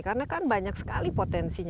karena kan banyak sekali potensi ini ya